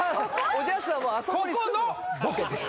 おじゃすはもうあそこに住んでます